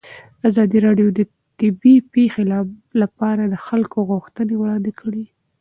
ازادي راډیو د طبیعي پېښې لپاره د خلکو غوښتنې وړاندې کړي.